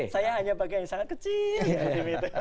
saya hanya pakai yang sangat kecil